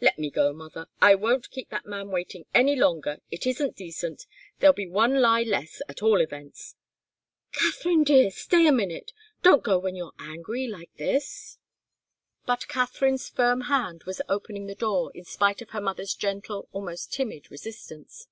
Let me go, mother! I won't keep that man waiting any longer. It isn't decent. There'll be one lie less, at all events!" "Katharine, dear! Stay a minute! Don't go when you're angry like this!" But Katharine's firm hand was opening the door in spite of her mother's gentle, almost timid, resistance.